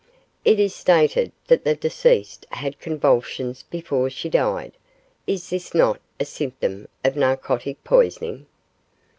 It is stated that the deceased had convulsions before she died is this not a symptom of narcotic poisoning?